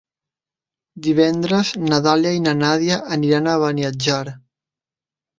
Divendres na Dàlia i na Nàdia aniran a Beniatjar.